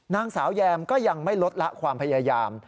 นางสาวแยมก็ยังไม่ลดละความพยายาม